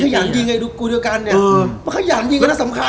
แต่คิดว่าจะย้างดีไงดูกันเนี่ยมันก็ย้างดีแล้วน่ะสำคัญ